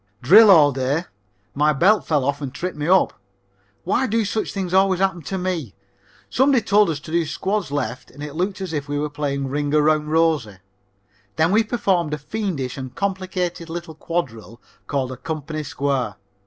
Drill all day. My belt fell off and tripped me up. Why do such things always happen to me? Somebody told us to do squads left and it looked as if we were playing Ring Around Rosie. Then we performed a fiendish and complicated little quadrille called a "company square."